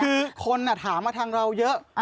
คือคนถามมาทางเราเยอะ